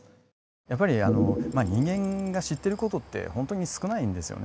やっぱり人間が知っている事って本当に少ないんですよね。